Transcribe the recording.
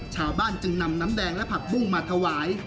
ชาวบ้านจึงนำน้ำแดงและผักบุ้งมาถวาย